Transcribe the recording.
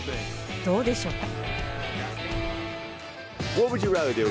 どうでしょうか。